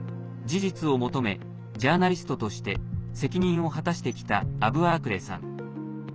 事実を求めジャーナリストとして責任を果たしてきたアブアークレさん。